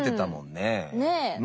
ねえ。